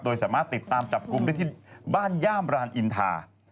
โดยสามารถติดตามจับกลุ่มได้ที่บ้านย่ามรานอินทา